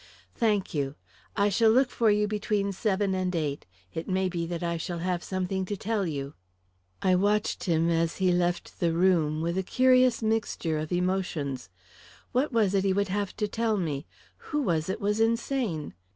"Thank you. I shall look for you between seven and eight. It may be that I shall have something to tell you." I watched him as he left the room, with a curious mixture of emotions. What was it he would have to tell me? Who was it was insane?